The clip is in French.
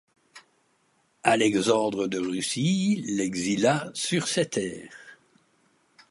Alexandre de Russie l'exila sur ses terres.